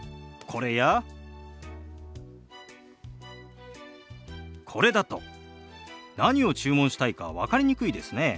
これだと何を注文したいか分かりにくいですね。